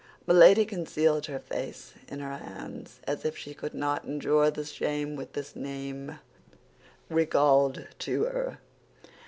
Milady concealed her face in her hands, as if she could not endure the shame which this name recalled to her.